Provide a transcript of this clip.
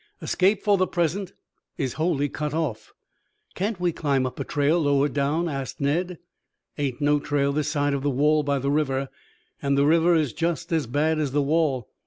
Escape is for the present wholly cut off " "Can't we climb up a trail lower down?" asked Ned. "Ain't no trail this side of the wall by the river, and the river is just as bad as the wall.